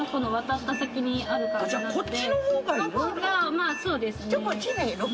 まあそうですね。